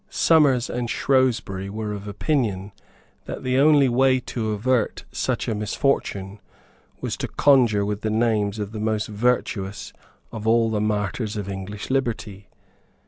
Somers and Shrewsbury were of opinion that the only way to avert such a misfortune was to conjure with the name of the most virtuous of all the martyrs of English liberty.